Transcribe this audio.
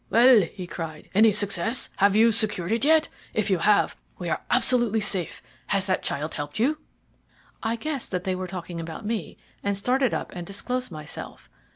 "'Well!' he cried; 'any success? Have you secured it yet? If you have, we are absolutely safe. Has that child helped you?' "I guessed that they were talking about me, and started up and disclosed myself.